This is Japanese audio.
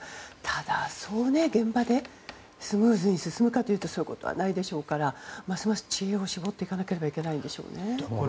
ただ、そう現場でスムーズに進むかというとそういうことはないでしょうからますます知恵を絞らなければいけないでしょうね。